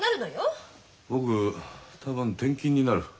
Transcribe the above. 僕多分転勤になる。